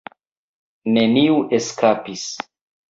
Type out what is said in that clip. Neniu eskapis.